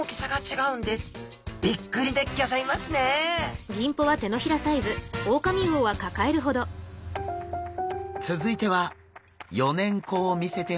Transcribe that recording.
びっくりでギョざいますね続いては４年子を見せてもらいます。